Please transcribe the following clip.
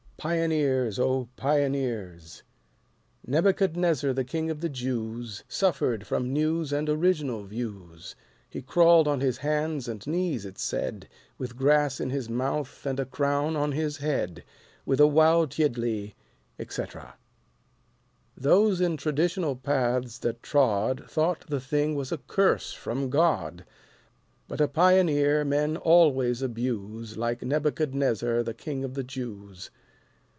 Pioneers, O Pioneers Nebuchadnezzar the King of the Jews Suffered from new and original views, He crawled on his hands and knees, it's said, With grass in his mouth and a crown on his head. With a wowtyiddly, etc. Those in traditional paths that trod Thought the thing was a curse from God, But a Pioneer men always abuse Like Nebuchadnezzar the King of the Jews.